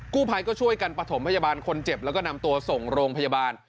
กู้ภัยก็ช่วยกันประถมพยาบาลคนเจ็บแล้วก็นำตัวส่งโรงพยาบาล